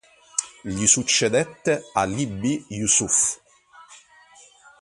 Gli succedette ʿAlī b. Yūsuf.